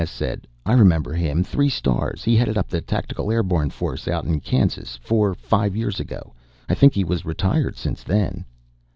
N.S. said: "I remember him. Three stars. He headed up the Tactical Airborne Force out in Kansas four five years ago. I think he was retired since then."